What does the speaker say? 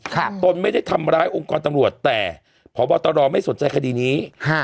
ตนไม่ได้ทำร้ายองค์กรตำรวจแต่พบตรไม่สนใจคดีนี้ฮะ